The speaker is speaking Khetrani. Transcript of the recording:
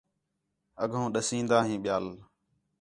اڳّوں ݙسین٘دا ہیں ٻِیال